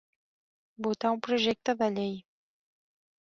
Votar un projecte de llei.